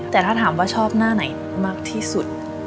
แต่ถ้าถามว่าชอบหน้าไหนมากที่สุด